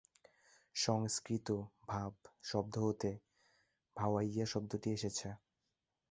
সংস্কৃত "ভাব" শব্দ হতে "ভাওয়াইয়া" শব্দটি এসেছে।